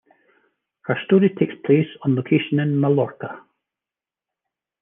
Her story takes place on location in Mallorca.